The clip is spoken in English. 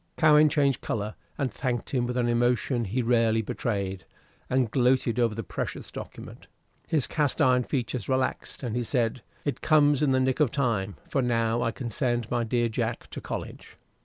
Cowen changed color, and thanked him with an emotion he rarely betrayed, and gloated over the precious document. His cast iron features relaxed, and he said, "It comes in the nick of time, for now I can send my dear Jack to college."